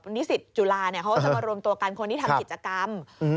นิสิทธิ์จุลาเขาก็จะมารวมตัวกันคนที่ทำกิจกรรม